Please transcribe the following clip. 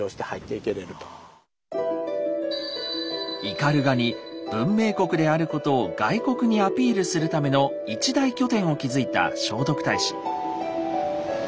斑鳩に文明国であることを外国にアピールするための一大拠点を築いた聖徳太子。